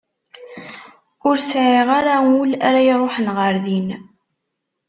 Ur sεiɣ ara ul ara iruḥen ɣer din.